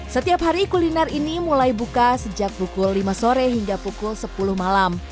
setiap hari kuliner ini mulai buka sejak pukul lima sore hingga pukul sepuluh malam